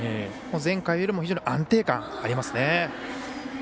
前回よりも非常に安定感ありますね。